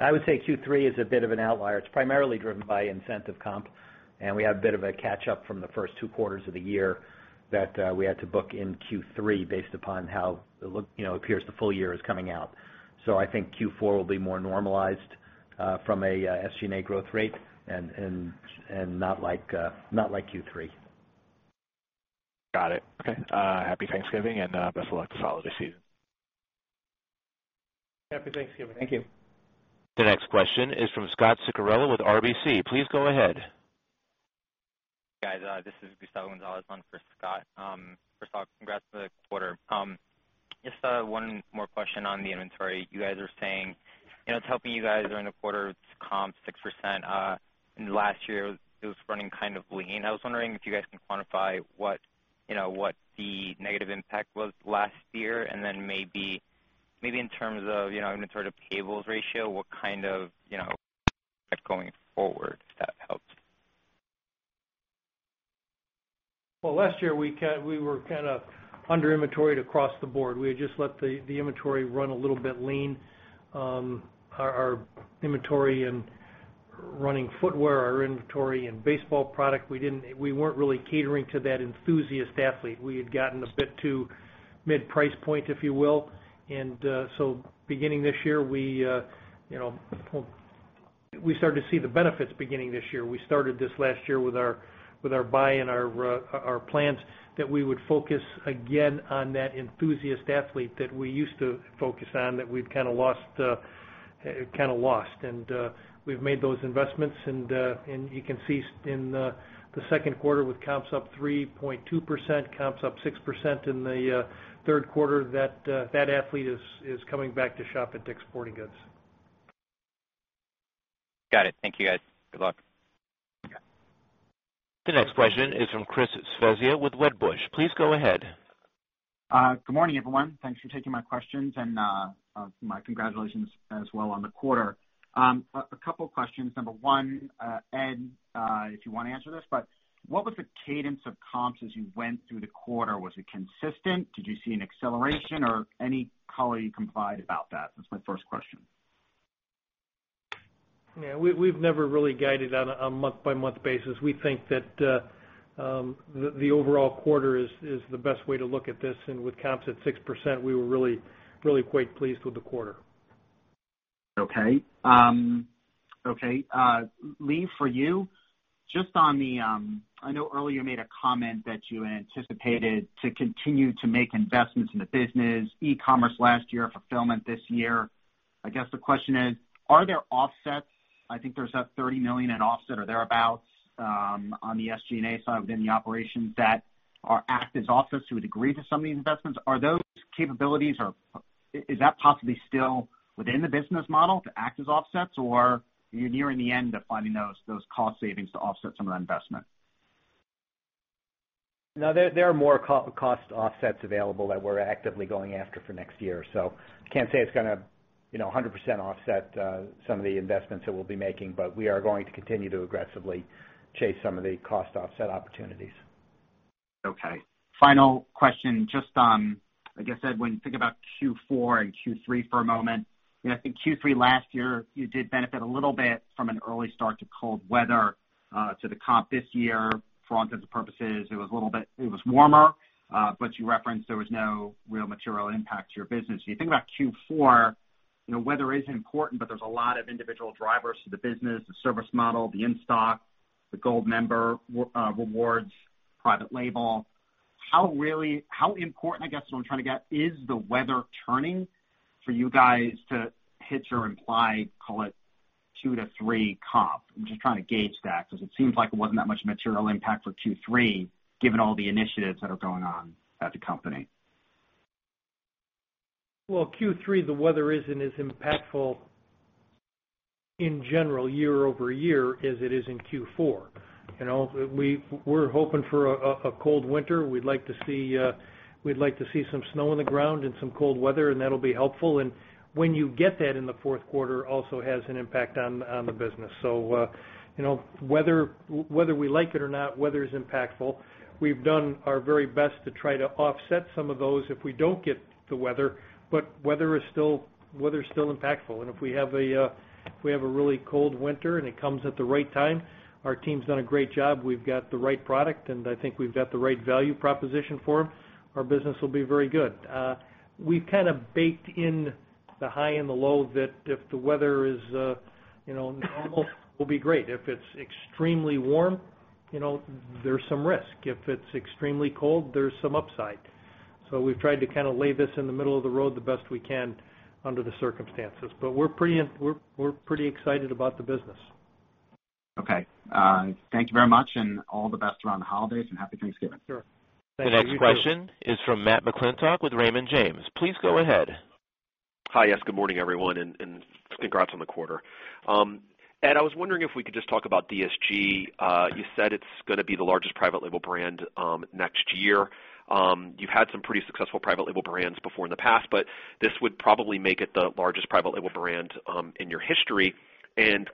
I would say Q3 is a bit of an outlier. It's primarily driven by incentive comp, and we had a bit of a catch-up from the first two quarters of the year that we had to book in Q3 based upon how it appears the full year is coming out. I think Q4 will be more normalized from a SG&A growth rate and not like Q3. Got it. Okay. Happy Thanksgiving, and best of luck this holiday season. Happy Thanksgiving. Thank you. The next question is from Scot Ciccarelli with RBC. Please go ahead. Guys, this is Gustavo Gonzalez on for Scot. First of all, congrats on the quarter. Just one more question on the inventory. You guys are saying it's helping you guys earn a quarter with comps 6%. Last year, it was running kind of lean. I was wondering if you guys can quantify what the negative impact was last year, and then maybe in terms of inventory to payables ratio, what kind of going forward, if that helps. Well, last year, we were under inventoried across the board. We had just let the inventory run a little bit lean. Our inventory in running footwear, our inventory in baseball product, we weren't really catering to that enthusiast athlete. We had gotten a bit too mid-price point, if you will. Beginning this year, we started to see the benefits beginning this year. We started this last year with our buy and our plans that we would focus again on that enthusiast athlete that we used to focus on that we'd kind of lost. We've made those investments, and you can see in the second quarter with comps up 3.2%, comps up 6% in the third quarter, that athlete is coming back to shop at DICK'S Sporting Goods. Got it. Thank you, guys. Good luck. The next question is from Chris Svezia with Wedbush. Please go ahead. Good morning, everyone. Thanks for taking my questions, and my congratulations as well on the quarter. A couple questions. Number one, Ed, if you want to answer this, but what was the cadence of comps as you went through the quarter? Was it consistent? Did you see an acceleration or any color you can provide about that? That's my first question. Yeah. We've never really guided on a month-by-month basis. We think that the overall quarter is the best way to look at this, and with comps at 6%, we were really quite pleased with the quarter. Okay. Lee, for you, I know earlier you made a comment that you anticipated to continue to make investments in the business, e-commerce last year, fulfillment this year. I guess the question is, are there offsets, I think there's that $30 million in offset or thereabout on the SG&A side within the operations that act as offsets to a degree to some of the investments. Are those capabilities, or is that possibly still within the business model to act as offsets, or are you nearing the end of finding those cost savings to offset some of that investment? There are more cost offsets available that we're actively going after for next year. I can't say it's going to 100% offset some of the investments that we'll be making, but we are going to continue to aggressively chase some of the cost offset opportunities. Okay. Final question. Just on, I guess, Ed, when you think about Q4 and Q3 for a moment, I think Q3 last year, you did benefit a little bit from an early start to cold weather to the comp this year. For all intents and purposes, it was warmer. You referenced there was no real material impact to your business. You think about Q4, weather is important, but there's a lot of individual drivers to the business, the service model, the in-stock, the Gold member rewards, private label. How important, I guess what I'm trying to get, is the weather turning for you guys to hit your implied, call it two to three comp? I'm just trying to gauge that because it seems like it wasn't that much material impact for Q3 given all the initiatives that are going on at the company. Well, Q3, the weather isn't as impactful in general year-over-year as it is in Q4. We're hoping for a cold winter. We'd like to see some snow on the ground and some cold weather, that'll be helpful. When you get that in the fourth quarter also has an impact on the business. Whether we like it or not, weather is impactful. We've done our very best to try to offset some of those if we don't get the weather, but weather is still impactful. If we have a really cold winter and it comes at the right time, our team's done a great job. We've got the right product, and I think we've got the right value proposition for them. Our business will be very good. We've kind of baked in the high and the low that if the weather is normal, we'll be great. If it's extremely warm, there's some risk. If it's extremely cold, there's some upside. We've tried to lay this in the middle of the road the best we can under the circumstances. We're pretty excited about the business. Okay. Thank you very much and all the best around the holidays, and happy Thanksgiving. Sure. Thank you. You too. The next question is from Matt McClintock with Raymond James. Please go ahead. Hi. Yes, good morning, everyone, and congrats on the quarter. Ed, I was wondering if we could just talk about DSG. You said it's going to be the largest private label brand next year. You've had some pretty successful private label brands before in the past, this would probably make it the largest private label brand in your history.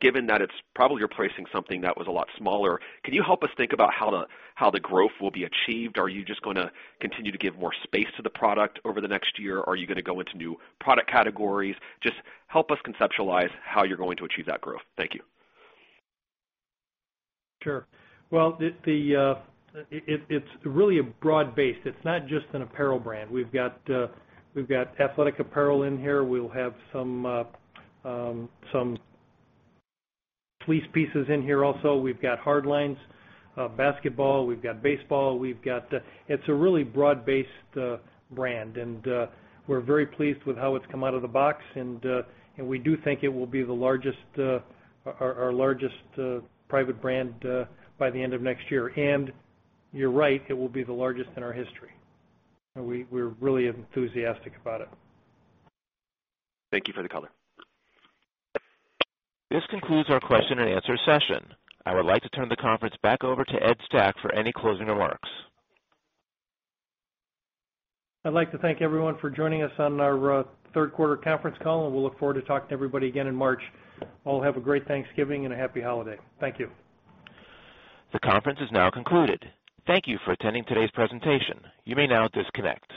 Given that it's probably replacing something that was a lot smaller, can you help us think about how the growth will be achieved? Are you just going to continue to give more space to the product over the next year? Are you going to go into new product categories? Just help us conceptualize how you're going to achieve that growth. Thank you. Sure. Well, it's really broad-based. It's not just an apparel brand. We've got athletic apparel in here. We'll have some fleece pieces in here also. We've got hardlines, basketball, we've got baseball. It's a really broad-based brand, and we're very pleased with how it's come out of the box, and we do think it will be our largest private brand by the end of next year. You're right, it will be the largest in our history. We're really enthusiastic about it. Thank you for the color. This concludes our question and answer session. I would like to turn the conference back over to Ed Stack for any closing remarks. I'd like to thank everyone for joining us on our third quarter conference call, and we look forward to talking to everybody again in March. All have a great Thanksgiving and a happy holiday. Thank you. The conference is now concluded. Thank you for attending today's presentation. You may now disconnect.